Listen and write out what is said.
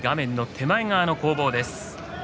手前側の攻防です。